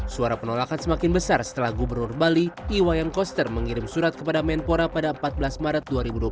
suara penolakan semakin besar setelah gubernur bali iwayan koster mengirim surat kepada menpora pada empat belas maret dua ribu dua puluh